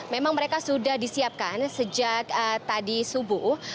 memang mereka sudah disiapkan sejak tadi subuh